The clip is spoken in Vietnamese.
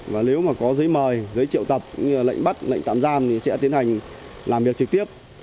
và nếu mà có giấy mời giấy triệu tập như lệnh bắt lệnh tạm gian thì sẽ tiến hành làm việc trực tiếp